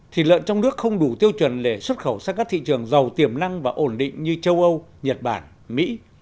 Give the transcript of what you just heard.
thịt lợn trong nước không đủ tiêu chuẩn để xuất khẩu sang các thị trường giàu tiềm năng và ổn định như châu âu nhật bản mỹ